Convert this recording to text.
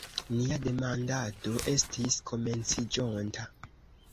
Nia demandado estis komenciĝonta.